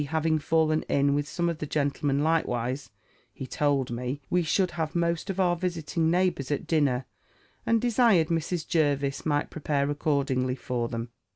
having fallen in with some of the gentlemen likewise, he told me, we should have most of our visiting neighbours at dinner, and desired Mrs. Jervis might prepare accordingly for them.